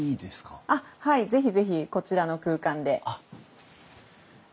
あっはい是非是非こちらの空間で。